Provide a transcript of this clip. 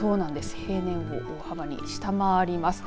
平年を大幅に下回ります。